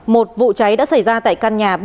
một vụ cháy đã xảy ra tại căn nhà